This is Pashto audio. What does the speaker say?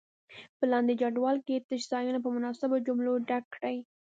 په لاندې جدول کې تش ځایونه په مناسبو جملو ډک کړئ.